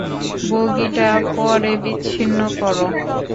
বগিটা পরে বিচ্ছিন্ন করো!